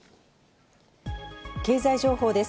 経済情報です。